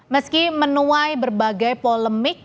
meski menuai berbagai polemik